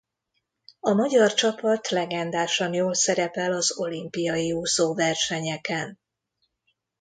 A magyar csapat legendásan jól szerepel az olimpiai úszóversenyeken.